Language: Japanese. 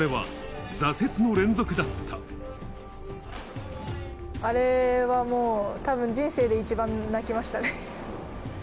それは、あれはもう、たぶん人生で一番泣きましたね。